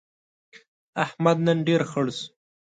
احمد نن ډېر خړ شو.